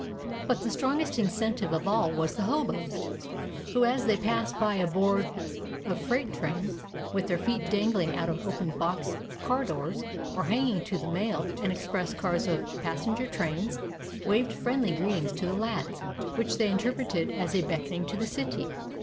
But the strongest incentive of all was the hoboes, who as they passed by aboard of freight trains, with their feet dangling out of open box car doors or hanging to the mail and express cars of passenger trains, waved friendly greetings to the lads, which they interpreted as a beckoning to the city.